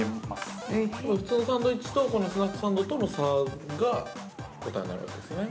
◆普通のサンドイッチと、このスナックサンドとの差が答えになるわけですよね。